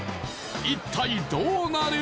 一体どうなる！？